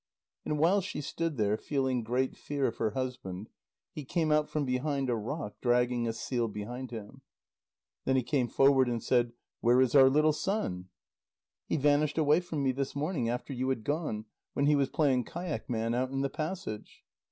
And while she stood there feeling great fear of her husband, he came out from behind a rock, dragging a seal behind him. Then he came forward and said: "Where is our little son?" "He vanished away from me this morning, after you had gone, when he was playing kayak man out in the passage."